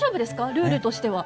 ルールとしては。